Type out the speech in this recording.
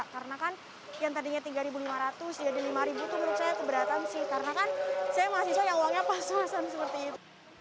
karena kan saya mahasiswa yang uangnya pas pasan seperti itu